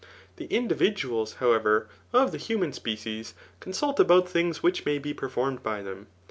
The individuals, how ever, of the human species consult about things wimh may be performed by them.